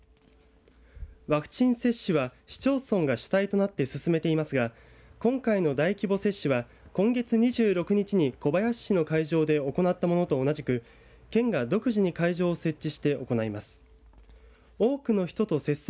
ワクチン接種は市町村が主体となって進めていますが今回の大規模接種は今月２６日に小林市の会場で行ったものと同じく県が、独自に会場を設置して行います。